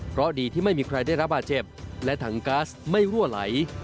เพราะดีที่ไม่มีใครได้รับบาดเจ็บและถังก๊าซไม่รั่วไหล